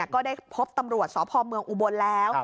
ก็ได้พบตำรวจสพเมืองอุบลแล้ว